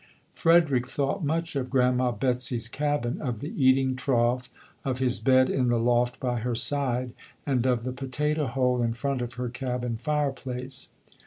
Frederick thought much of Grandma Betsy's cabin, of the eating trough, of his bed in the loft by her side, and of the potato hole in front of her cabin fireplace.